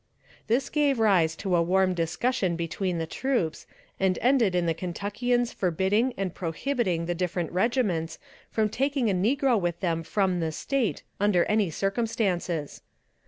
This gave rise to a warm discussion between the troops, and ended in the Kentuckians forbidding and prohibiting the different regiments from taking a negro with them from the State under any circumstances.